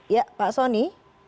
ya pak soni